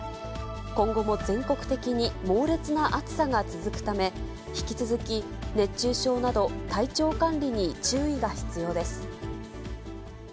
今後も全国的に猛烈な暑さが続くため、引き続き熱中症など、体調管理に注意が必要です。